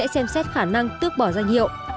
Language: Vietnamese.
xem xét khả năng tước bỏ danh hiệu